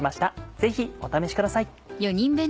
ぜひお試しください。